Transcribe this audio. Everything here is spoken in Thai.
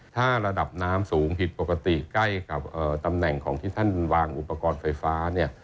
ถ้าระดับน้ำสูงผิดปกติใกล้กับตำแหน่งของที่ท่านวางอุปกรณ์ไฟฟ้าเนี่ย